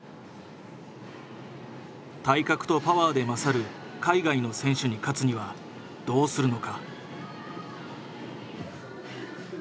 体格とパワーで勝る海外の選手に勝つにはどうするのか。